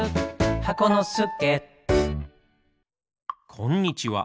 こんにちは